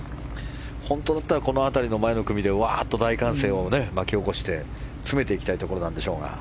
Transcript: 本当だったらこの辺りの前の組でワーッと大歓声を巻き起こして詰めていきたいところでしょう。